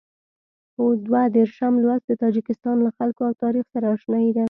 دوه دېرشم لوست د تاجکستان له خلکو او تاریخ سره اشنايي ده.